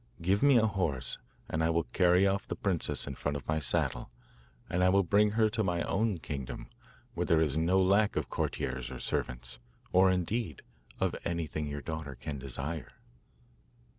Give me a horse and I will carry off the princess in front of my saddle, and will bring her to my own kingdom, where there is no lack of courtiers or servants, or, indeed, of anything your daughter can desire.